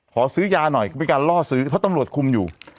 ขอซื้อยาหน่อยก็เป็นการล่อซื้อเพราะตำรวจคุมอยู่